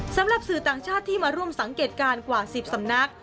สำหรับสื่อต่างชาติที่มาร่วมสังเกตการณ์กว่า๑๐สำนัก